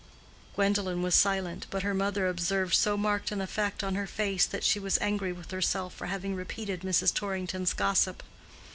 Gwendolen was silent; but her mother observed so marked an effect in her face that she was angry with herself for having repeated Mrs. Torrington's gossip.